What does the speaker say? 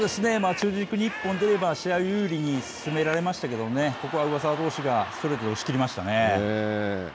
中軸に１本出れば、試合を有利に進められましたけど、ここは上沢投手がストレートで押